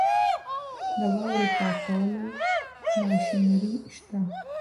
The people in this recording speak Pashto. د واورې پاکولو ماشینري شته؟